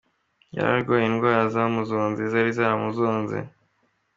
yari arwaye indwara zamuzonze zari zaramuzonze.